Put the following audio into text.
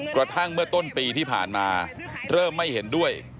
กระทั่งเมื่อต้นปีที่ผ่านมาเริ่มไม่เห็นด้วย